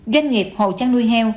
doanh nghiệp hộ chăn nuôi heo